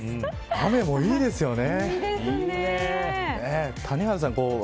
雨もいいですよね。